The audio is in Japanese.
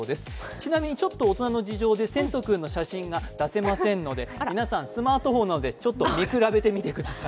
ちなみに大人の事情でせんとくんの写真が出せませんので皆さん、スマートフォンなどでちょっと見比べてみてください。